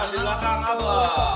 di belakang abah